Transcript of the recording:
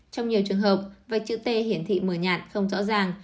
trong nhiều trường hợp vạch chữ t hiển thị mờ nhạt không rõ ràng